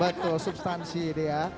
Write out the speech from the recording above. betul substansi deh ya